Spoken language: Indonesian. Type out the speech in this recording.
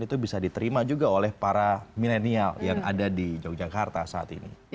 itu bisa diterima juga oleh para milenial yang ada di yogyakarta saat ini